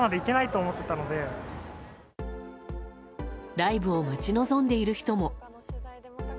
ライブを待ち望んでいる人も。